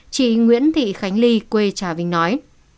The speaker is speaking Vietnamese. chị nguyễn thị khánh ly quê trà vinh nói